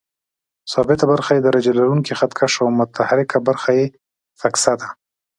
ثابته برخه یې درجه لرونکی خط کش او متحرکه برخه یې فکسه ده.